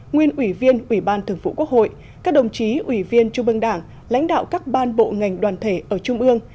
nguyên ủy viên ủy ban thường phủ quốc hội các đồng chí ủy viên trung ương đảng lãnh đạo các ban bộ ngành đoàn thể ở trung ương